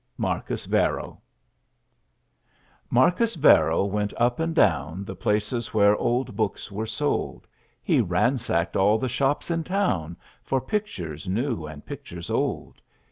MARCUS VARRO Marcus Varro went up and down The places where old books were sold; He ransacked all the shops in town For pictures new and pictures old.